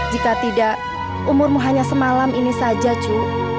jika tidak umurmu hanya semalam ini saja cu